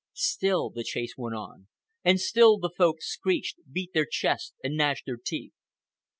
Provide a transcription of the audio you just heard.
Still the chase went on, and still the Folk screeched, beat their chests, and gnashed their teeth.